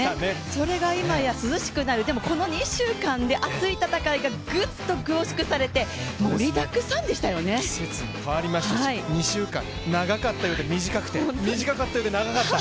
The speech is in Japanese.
それが今や涼しくなり、でもこの２週間で熱い戦いがぐっと凝縮されて季節も変わりましたし２週間長かったようで短くて短かったようで長かった。